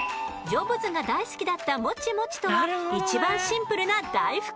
ジョブズが大好きだったモチモチとはいちばんシンプルな大福。